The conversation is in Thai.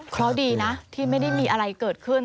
เพราะดีนะที่ไม่ได้มีอะไรเกิดขึ้น